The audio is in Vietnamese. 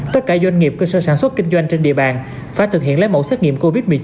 tất cả doanh nghiệp cơ sở sản xuất kinh doanh trên địa bàn phải thực hiện lấy mẫu xét nghiệm covid một mươi chín